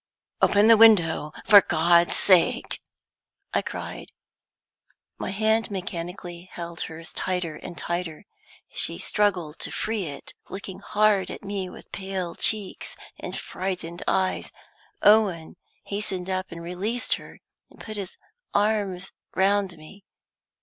"Open the window, for God's sake!" I cried. My hand mechanically held hers tighter and tighter. She struggled to free it, looking hard at me with pale cheeks and frightened eyes. Owen hastened up and released her, and put his arms round me.